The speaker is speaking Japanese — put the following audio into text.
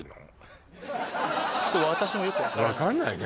ちょっと私もよく分からない分かんないね